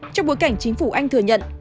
trong bối cảnh chính phủ anh thừa nhận